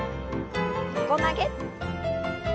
横曲げ。